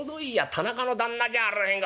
田中の旦那じゃありゃへんか。